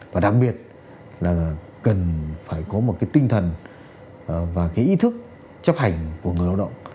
và đặc biệt là cần phải có một cái tinh thần và cái ý thức chấp hành của người lao động